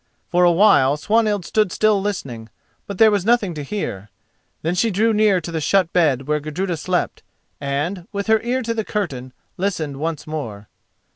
For a while Swanhild stood still listening, but there was nothing to hear. Then she drew near to the shut bed where Gudruda slept, and, with her ear to the curtain, listened once more.